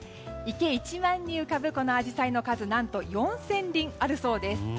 池一面に浮かぶアジサイは何と４０００輪あるそうです。